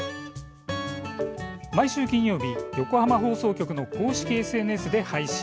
毎週金曜日、横浜放送局の公式ＳＮＳで配信。